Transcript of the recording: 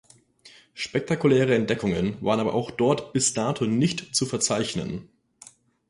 Spektakuläre Entdeckungen waren aber auch dort bis dato nicht zu verzeichnen.